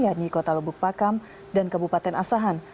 yaitu kota lebuk pakam dan kebupaten asahan